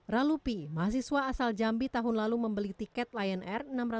raluppi mahasiswa asal jambi tahun lalu membeli tiket lion air